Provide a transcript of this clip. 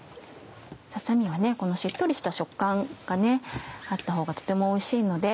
ささ身はこのしっとりした食感があったほうがとてもおいしいので。